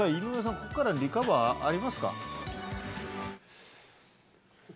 ここからのリカバーありますか？